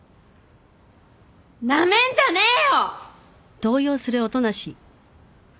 なめんじゃねえよ！